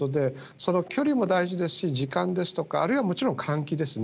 その距離も大事ですし、時間ですとか、あるいはもちろん換気ですね。